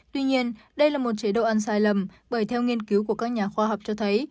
tuy nhiên đây là một chế độ ăn sai lầm bởi theo nghiên cứu của các nhà khoa học cho thấy